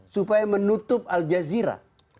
supaya menutup al jazeera